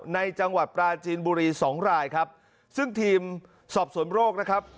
ในจังหวัดปราจีนบุรีสองรายครับซึ่งทีมสอบสวนโรคนะครับ